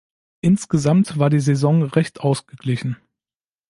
Insgesamt war die Saison recht ausgeglichen.